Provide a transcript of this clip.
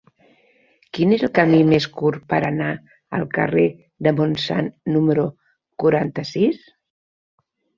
Quin és el camí més curt per anar al carrer del Montsant número quaranta-sis?